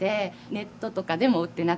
ネットとかでも売ってなくて。